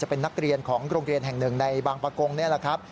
เป็นนักเรียนของโรงเรียนแห่งหนึ่งในบางประกงนี่แหละครับ